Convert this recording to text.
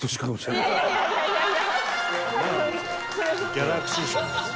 ギャラクシー賞のやつ。